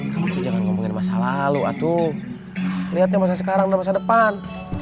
kamu tuh jangan ngomongin masalah lu atu lihatnya masa sekarang dan masa depan